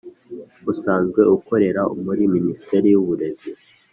Usanzwe ukorera muri Ministeri y’uburezi